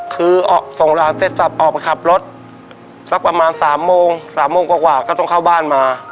คือส่งหลานเสร็จสับออกไปขับรถสักประมาณ๓โมง๓โมงกว่าก็ต้องเข้าบ้านมา